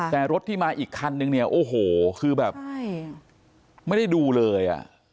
แต่รถที่มาอีกคันนึงเนี่ยโอ้โหคือแบบไม่ได้ดูเลยอ่ะ